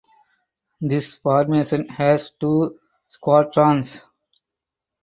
This formation has two squadrons.